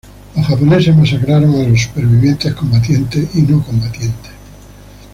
Los japoneses masacraron a los sobrevivientes combatientes y no combatientes.